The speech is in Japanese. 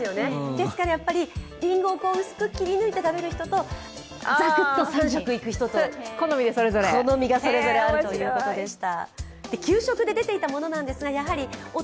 ですから、りんごを薄く切り抜いて食べる人とザクっと３色いく人と、好みがそれぞれあるということでした。